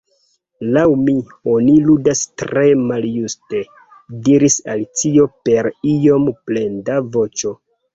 "Laŭ mi, oni ludas tre maljuste," diris Alicio per iom plenda voĉo.